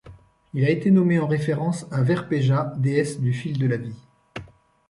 Il a été nommé en référence à Verpeja, déesse du fil de la vie.